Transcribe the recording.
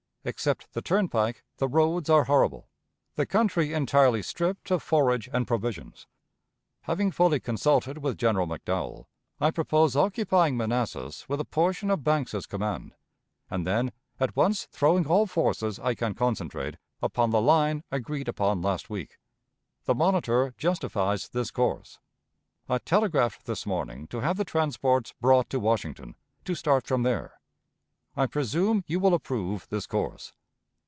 Except the turnpike, the roads are horrible. The country entirely stripped of forage and provisions. Having fully consulted with General McDowell, I propose occupying Manassas with a portion of Banks's command, and then at once throwing all forces I can concentrate upon the line agreed upon last week. The Monitor justifies this course. I telegraphed this morning to have the transports brought to Washington, to start from there. I presume you will approve this course.